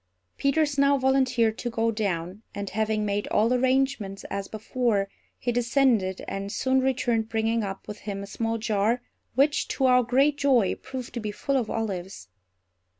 Peters now volunteered to go down; and, having made all arrangements as before, he descended, and soon returned bringing up with him a small jar, which, to our great joy, proved to be full of olives.